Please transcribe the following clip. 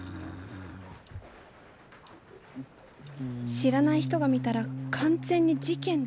知らない人が見たら完全に事件だ。